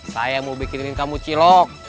saya mau bikinin kamu cilok